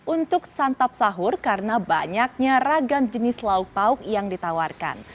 untuk santap sahur karena banyaknya ragam jenis lauk pauk yang ditawarkan